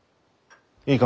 いいか？